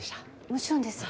もちろんです。